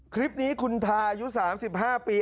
คลิปนี้คุณทายุทธ์๓๕ปี